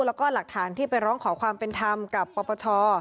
แล้วก็หลักฐานที่ไปร้องขอความเป็นธรรมกับปปช